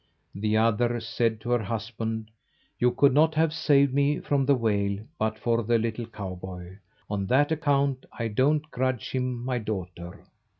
The mother said to her husband "You could not have saved me from the whale but for the little cowboy; on that account I don't grudge him my daughter."